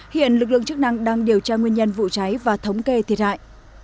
hiện lực lượng chức năng đang điều tra nguyên nhân vụ cháy và thống kê thiệt hại